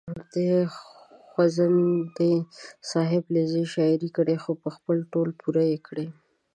ځونډي صاحب لیږه شاعري کړې خو په تول پوره یې کړې.